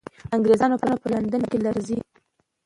انګریزان به په لندن کې لړزېږي.